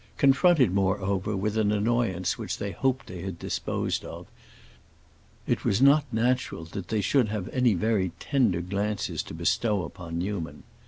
Confronted, moreover, with an annoyance which they hoped they had disposed of, it was not natural that they should have any very tender glances to bestow upon Newman.